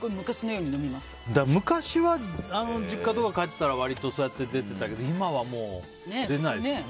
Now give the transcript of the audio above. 昔は実家に帰ったら割と、そうやって出てたけど今はもう出ないです。